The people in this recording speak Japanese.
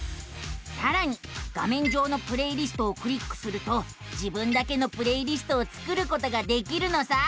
さらに画めん上の「プレイリスト」をクリックすると自分だけのプレイリストを作ることができるのさあ。